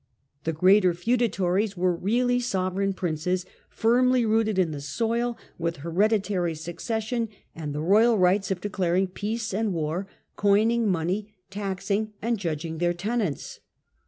The greater feudatories were really sovereign princes, firmly rooted in the soil, with hereditary succession and the royal rights of declaring peace and war, coining money, taxing and judging their tenants.